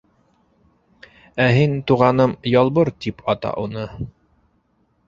-Ә һин, туғаным, Ялбыр тип ата уны.